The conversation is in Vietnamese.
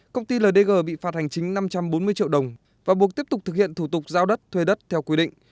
công ty ldg bị phạt hành chính năm trăm bốn mươi triệu đồng và buộc tiếp tục thực hiện thủ tục giao đất thuê đất theo quy định